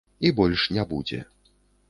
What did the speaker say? І больш не будзе.